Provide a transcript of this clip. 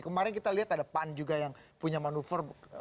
kemarin kita lihat ada pan juga yang punya manuver